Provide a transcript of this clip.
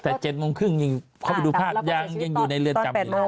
แต่๗โมงครึ่งเข้าไปดูภาพยังอยู่ในเรือนจำอยู่เลย